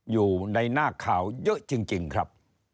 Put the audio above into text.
อยู่ในหน้าข่าวเยอะจริงครับ